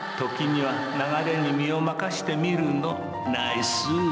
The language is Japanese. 時には流れに身を任せてみるの。